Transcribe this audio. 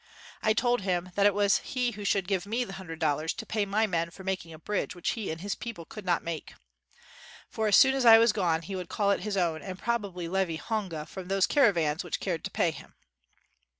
I told him that it was he who should give me the hundred dollars, to pay my men for making a bridge which he and his people could not make. For as soon as I was gone, he would call it his own, and probably levy honga from those caravans which cared to pay him.